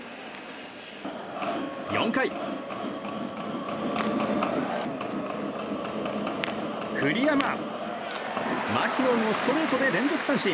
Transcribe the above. ４回、栗山、マキノンをストレートで連続三振。